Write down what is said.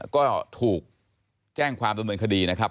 ก็ถูกแจ้งความดำเนินคดีนะครับ